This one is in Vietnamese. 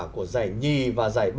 của giải hai và giải ba